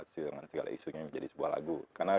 dengan segala isunya menjadi sebuah lagu karena